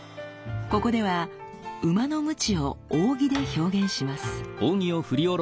ここでは馬のムチを扇で表現します。